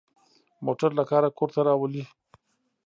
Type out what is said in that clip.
موټر له کاره کور ته راولي.